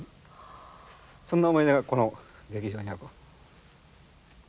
そんな思い出がこの劇場には。